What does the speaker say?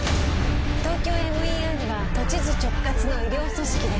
ＴＯＫＹＯＭＥＲは都知事直轄の医療組織です